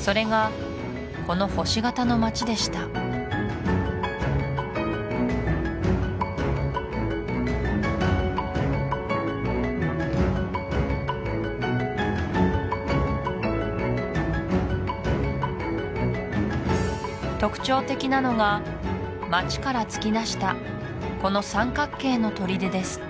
それがこの星形の街でした特徴的なのが街から突き出したこの三角形の砦です